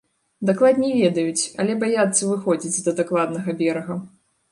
Дакладней, ведаюць, але баяцца выходзіць да дакладнага берага.